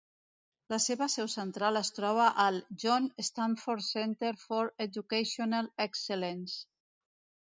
La seva seu central es troba al John Stanford Center for Educational Excellence.